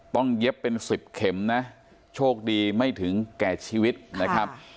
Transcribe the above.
เย็บเป็นสิบเข็มนะโชคดีไม่ถึงแก่ชีวิตนะครับ